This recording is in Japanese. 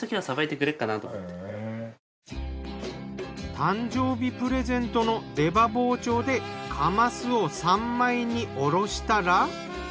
誕生日プレゼントの出刃包丁でカマスを３枚におろしたら。